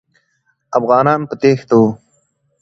افغانان په تېښته وو.